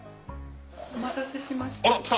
お待たせしました。